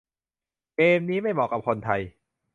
'เกม' นี้ไม่เหมาะกับคนไทย